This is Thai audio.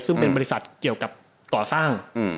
ซึ่งเป็นบริษัทเกี่ยวกับก่อสร้าง